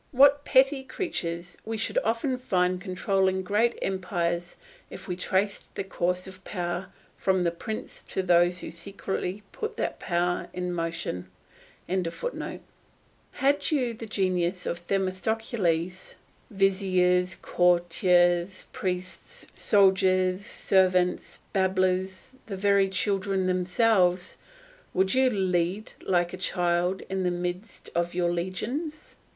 What petty creatures we should often find controlling great empires if we traced the course of power from the prince to those who secretly put that power in motion.] viziers, courtiers, priests, soldiers, servants, babblers, the very children themselves, would lead you like a child in the midst of your legions.